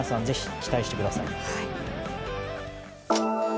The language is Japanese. ぜひ、期待してください。